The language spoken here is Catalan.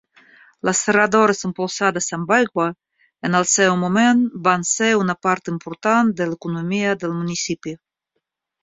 Les serradores impulsades amb aigua, en el seu moment van ser una part important de l'economia del municipi.